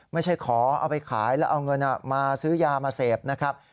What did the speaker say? ไม่ใช่ขอเอาไปขายแล้วเอาเงินมาซื้อยามาเสพนะครับ